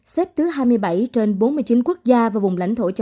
xếp thứ hai mươi bảy trên bốn mươi chín quốc gia và vùng lãnh thổ châu á